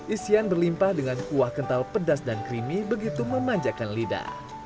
isian berlimpah dengan kuah kental pedas dan creamy begitu memanjakan lidah